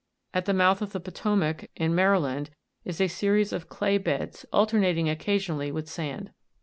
At the mouth of the Potomac, in Maryland, is a series of clay beds, alternating occasionally with sand.